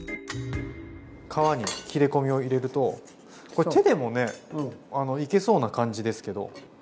皮に切れ込みを入れるとこれ手でもねいけそうな感じですけど。